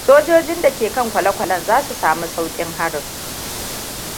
Sojojin da ke kan kwale-kwalen za su sami saukin harin.